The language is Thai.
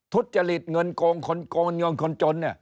ทุจริตเงินโกงคนโกงเงินคนจน